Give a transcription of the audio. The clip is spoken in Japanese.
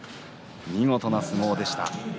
見事な相撲でした。